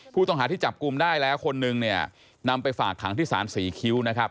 ผู้ต้องหาที่จับกลุ่มได้แล้วคนนึงเนี่ยนำไปฝากขังที่ศาลศรีคิ้วนะครับ